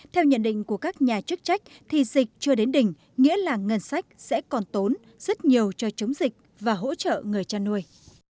theo nhận định của các nhà chức trách thì dịch chưa đến đỉnh nghĩa là ngân sách sẽ còn tốn rất nhiều cho chống dịch và hỗ trợ người chăn nuôi